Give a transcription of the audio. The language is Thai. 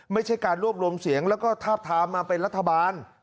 ไม่ใช่การรวบรวมเสียงแล้วก็ทาบทามมาเป็นรัฐบาล